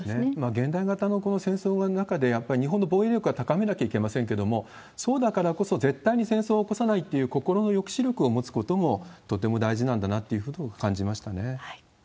現代型の戦争の中で、やっぱり日本の防衛力は高めなきゃいけませんけれども、そうだからこそ、絶対に戦争を起こさないっていう心の抑止力を持つこともとても大事なんだなっていうことを感じましたね。